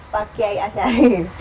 pak kiai asyari